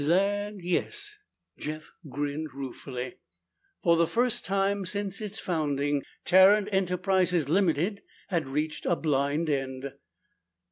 "Land, yes!" Jeff grinned ruefully. For the first time since its founding, Tarrant Enterprises, Ltd., had reached a blind end.